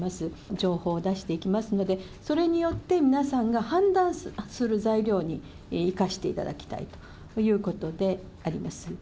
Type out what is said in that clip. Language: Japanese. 情報を出していきますので、それによって皆さんが判断する材料に生かしていただきたいということであります。